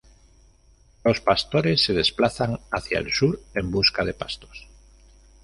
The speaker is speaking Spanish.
Los pastores se desplazan hacia el sur en busca de pastos.